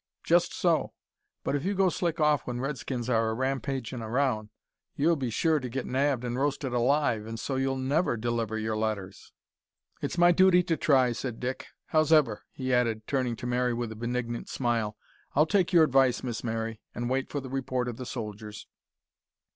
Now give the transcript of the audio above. "Just so, but if you go slick off when Redskins are rampagin' around, you'll be sure to get nabbed an' roasted alive, an' so you'll never deliver your letters." "It's my duty to try," said Dick. "Hows'ever," he added, turning to Mary with a benignant smile, "I'll take your advice, Miss Mary, an' wait for the report o' the soldiers."